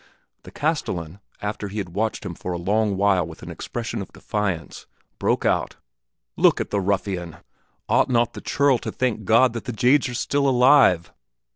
The castellan, after he had watched him for a while with an expression of defiance, broke out, "Look at the ruffian! Ought not the churl to thank God that the jades are still alive?"